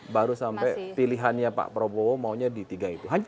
baru sampai pilihannya pak prabowo maunya di tiga itu